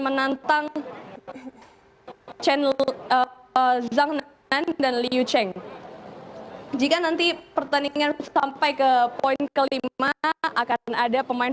menantang channel zang dan liu cheng jika nanti pertandingan sampai ke poin kelima akan ada pemain